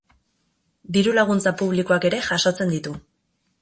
Diru-laguntza publikoak ere jasotzen ditu.